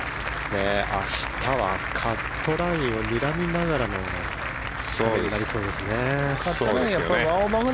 明日はカットラインを見ながらになりそうですね。